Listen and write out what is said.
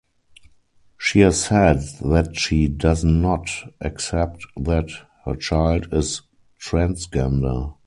She has said that she does not accept that her child is transgender.